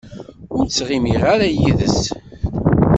Ur ttɣimiɣ ara yid-s.